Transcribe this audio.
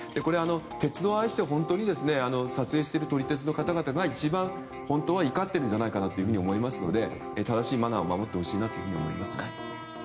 鉄道を愛して本当に撮影している撮り鉄の方々が一番怒っていると思いますので正しいマナーを守ってほしいと思います。